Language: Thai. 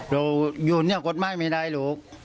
เราอยู่ในนี้กฎไม่ได้ลูก